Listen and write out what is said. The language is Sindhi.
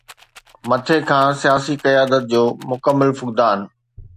مٿي کان سياسي قيادت جو مڪمل فقدان.